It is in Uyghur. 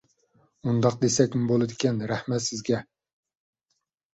ئۇنداق دېسەكمۇ بولىدىكەن. رەھمەت سىزگە!